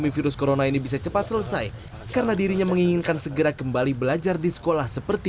tua bekerja di kampung